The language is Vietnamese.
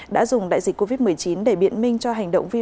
đã dùng đại dịch covid một mươi chín để biện minh